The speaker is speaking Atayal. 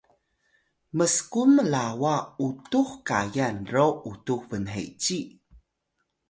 msqun mlawa Utux Kayal ro utux bnheci